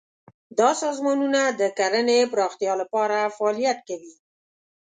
دا سازمانونه د کرنې پراختیا لپاره فعالیت کوي.